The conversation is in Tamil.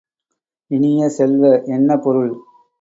இனிய செல்வ, என்ன பொருள்?